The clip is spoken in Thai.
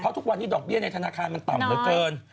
ทุกวันนี้ดอกเบี้ยในธนาคารมันต่ำเหลือเกิน